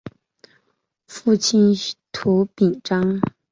父亲涂秉彰。